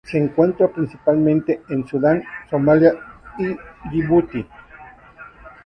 Se encuentra principalmente en Sudán, Somalia, y Yibuti.